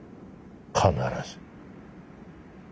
必ず。